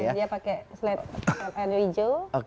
dia pakai slide air hijau